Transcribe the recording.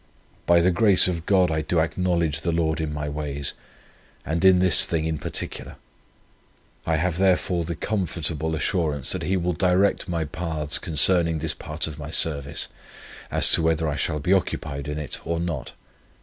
By the grace of God I do acknowledge the Lord in my ways, and in this thing in particular; I have therefore the comfortable assurance that He will direct my paths concerning this part of my service, as to whether I shall be occupied in it or not.